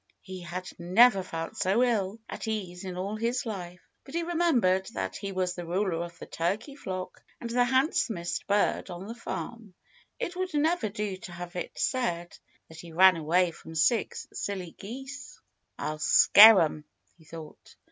He had never felt so ill at ease in all his life. But he remembered that he was the ruler of the turkey flock and the handsomest bird on the farm. It would never do to have it said that he ran away from six silly geese. "I'll scare 'em," he thought.